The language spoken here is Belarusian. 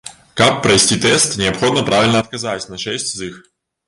Каб прайсці тэст, неабходна правільна адказаць на шэсць з іх.